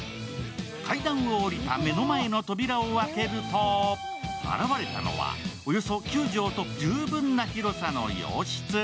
階段を降りた目の前の扉を開けると、現れたのはおよそ９畳と十分な広さの洋室。